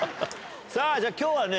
さぁじゃあ今日はね